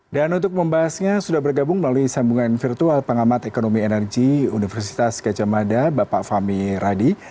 dan untuk membahasnya sudah bergabung melalui sambungan virtual pengamat ekonomi energi universitas kecamada bapak fahmi radi